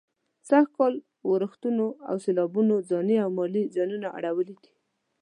سږ کال ورښتونو او سېلابونو ځاني او مالي زيانونه اړولي دي.